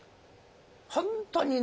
本当にね